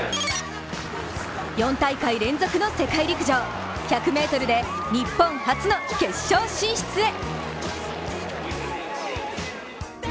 ４大会連続の世界陸上、１００ｍで日本初の決勝進出へ。